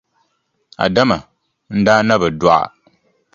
Adama, n daa na bi dɔɣi a.